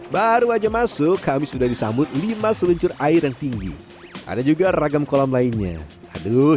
baru aja masuk kami sudah disambut lima seluncur air yang tinggi ada juga ragam kolam lainnya aduh